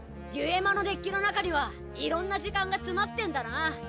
デュエマのデッキの中にはいろんな時間が詰まってんだな。